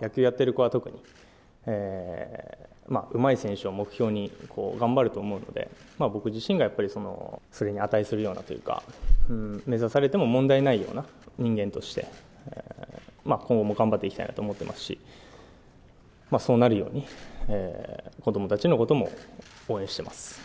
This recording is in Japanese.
野球やってる子は特に、うまい選手を目標に頑張ると思うので、僕自身がやっぱり、その、それに値するようなというか、目指されても問題ないような、人間として、今後も頑張っていきたいなと思ってますし、そうなるように子どもたちのことも応援してます。